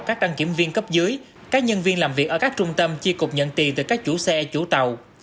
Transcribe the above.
các đăng kiểm viên cấp dưới các nhân viên làm việc ở các trung tâm chi cục nhận tiền từ các chủ xe chủ tàu